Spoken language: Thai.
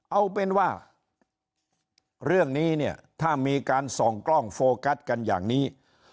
เอาเป็นว่าเรื่องนี้เนี่ยถ้ามีการส่องกล้องโฟกัสกันอย่างนี้